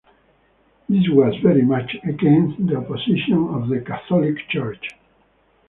This was very much against the opposition of the Catholic Church.